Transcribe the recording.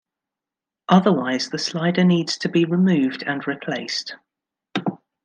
Otherwise the slider needs to be removed and replaced.